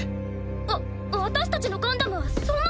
わ私たちのガンダムはそんなんじゃ。